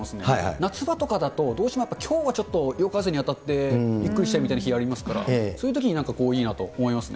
夏場とかだと、どうしてもきょうはちょっと夜風に当たってゆっくりしたいみたいな日がありますから、そういうときに、なんかいいなと思いますね。